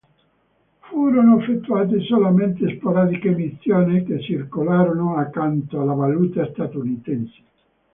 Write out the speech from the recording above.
Furono effettuate solamente sporadiche emissioni che circolarono accanto alla valuta statunitense.